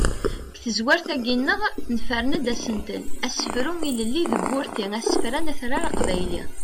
Deg tezrawt-agi-nneɣ nefren-d asentel: asefru ilelli deg urti asefran atrar aqbayli.